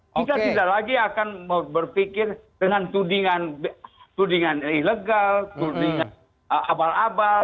kita tidak lagi akan berpikir dengan tudingan ilegal tudingan abal abal